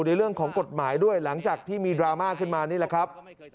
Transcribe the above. ในเรื่องของกฎหมายด้วยหลังจากที่มีดราม่าขึ้นมานี่แหละครับ